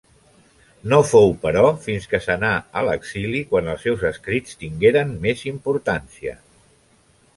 No fou, però, fins que s'anà a l'exili quan els seus escrits tingueren més importància.